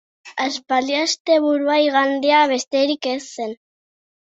Aspaldi, asteburua igandea besterik ez zen.